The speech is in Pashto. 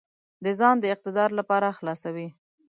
د ځان د اقتدار لپاره خلاصوي.